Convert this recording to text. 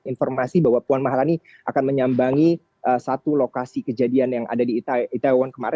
informasi bahwa puan maharani akan menyambangi salah satu gelar honoris causa